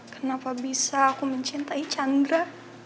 kenapa bisa aku mencintai chandra